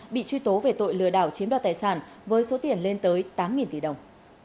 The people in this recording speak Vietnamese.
bị truy tố về tội lừa đảo chiếm đoạt tài sản với số tiền lên tới tám tỷ đồng